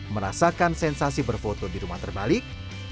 merasakan sensasi berfoto di rumah terbalik